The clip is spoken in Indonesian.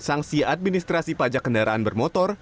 sanksi administrasi pajak kendaraan bermotor